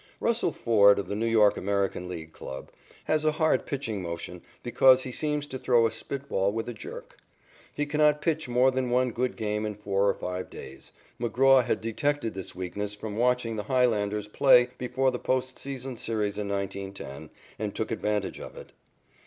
Russell Ford, of the New York American League club, has a hard pitching motion because he seems to throw a spit ball with a jerk. He cannot pitch more than one good game in four or five days. McGraw had detected this weakness from watching the Highlanders play before the post season series in 1910, and took advantage of it.